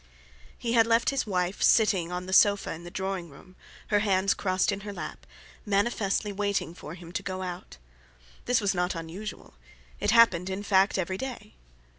He had left his wife sitting on the sofa in the drawing room, her hands crossed in her lap, manifestly waiting for him to go out. This was not unusual. It happened, in fact, every day.